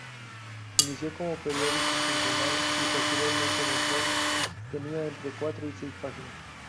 Inició como periódico quincenal y posteriormente mensual, tenía entre cuatro y seis páginas.